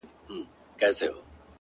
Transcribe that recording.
مُريد ښه دی ملگرو او که پير ښه دی _